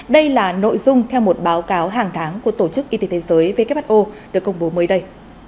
đây là nội dung theo một báo cáo hàng tháng của tổ chức y tế thế giới who được công bố mới đây